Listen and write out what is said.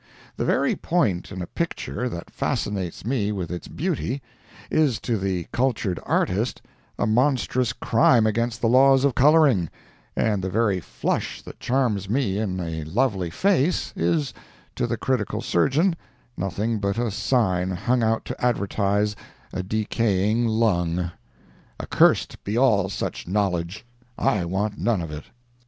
The very point in a picture that fascinates me with its beauty, is to the cultured artist a monstrous crime against the laws of coloring; and the very flush that charms me in a lovely face, is, to the critical surgeon, nothing but a sign hung out to advertise a decaying lung. Accursed be all such knowledge. I want none of it.